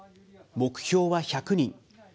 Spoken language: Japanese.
目標は１００人。